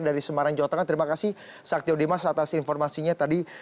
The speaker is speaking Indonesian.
dari semarang jawa tengah terima kasih saktio dimas atas informasinya tadi